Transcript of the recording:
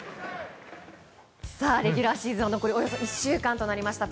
レギュラーシーズンも残り１週間となりました